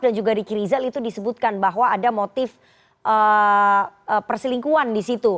dan juga di kirizal itu disebutkan bahwa ada motif perselingkuhan di situ